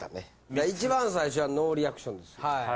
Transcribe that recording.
だから一番最初はノーリアクションですよ。